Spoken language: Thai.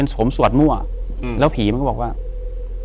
อยู่ที่แม่ศรีวิรัยิลครับ